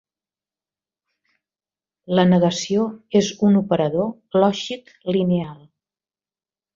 La negació és un operador lògic lineal.